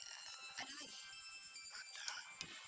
masih ada lagi